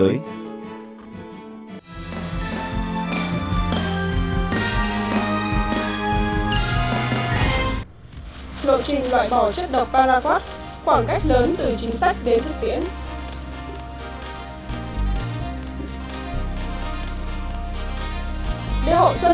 lộ trình loại bỏ chất độc paraquat